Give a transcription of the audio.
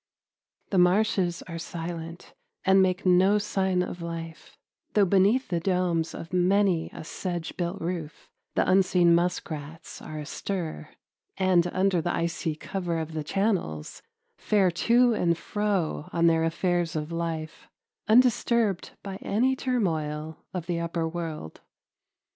The marshes are silent and make no sign of life, though beneath the domes of many a sedge built roof the unseen muskrats are astir, and under the icy cover of the channels fare to and fro on their affairs of life, undisturbed by any turmoil of the upper world.